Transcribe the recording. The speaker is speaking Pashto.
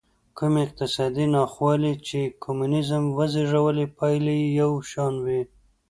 کومې اقتصادي ناخوالې چې کمونېزم وزېږولې پایلې یې یو شان وې.